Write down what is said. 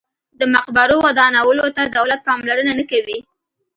د مقبرو ودانولو ته دولت پاملرنه نه کوي.